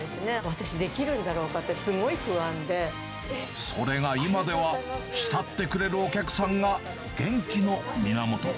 私、できるんだろうかってすごいそれが今では、慕ってくれるお客さんが元気の源。